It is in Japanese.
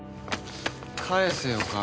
返せよ金。